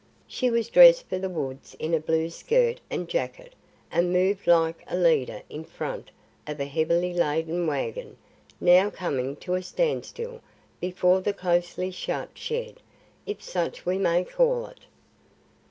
She was dressed for the woods in a blue skirt and jacket and moved like a leader in front of a heavily laden wagon now coming to a standstill before the closely shut shed if such we may call it.